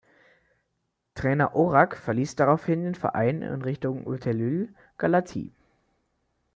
Trainer Orac verließ daraufhin den Verein in Richtung Oțelul Galați.